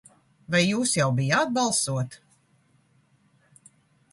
Vai jūs jau bijāt balsot?